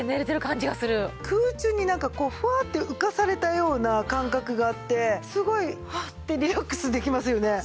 空中になんかふわって浮かされたような感覚があってすごい「はあ」ってリラックスできますよね。